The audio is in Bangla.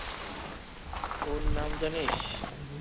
ওর নাম জানিস?